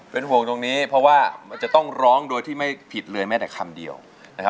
เป็นห่วงตรงนี้เพราะว่ามันจะต้องร้องโดยที่ไม่ผิดเลยแม้แต่คำเดียวนะครับ